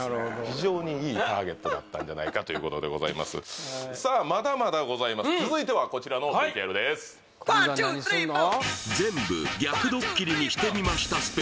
非常にいいターゲットだったんじゃないかということでございますさあまだまだございます続いてはこちらのＶＴＲです今度は何すんの？